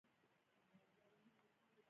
په دې کتابونو کې د عیسایت په اصولو نیوکې وې.